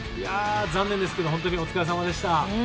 残念ですが本当にお疲れさまでした。